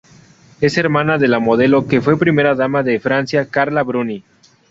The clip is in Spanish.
Es hermana de la modelo que fue Primera Dama de Francia Carla Bruni.